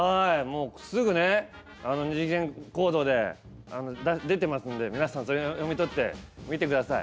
すぐね二次元コードで出てますので皆さん、それ読み取って見てください。